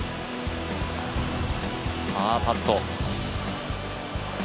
パーパット。